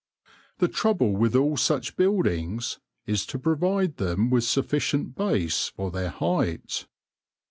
The trouble with all such buildings is to provide them with sufficient base for their height.